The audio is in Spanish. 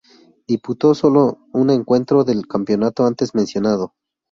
Disputó solo un encuentro del campeonato antes mencionado.